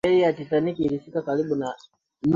mahojiana yanamsaidia msikilizaji kukumbuka taarifa tata